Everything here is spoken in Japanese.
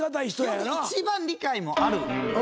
一番理解もある。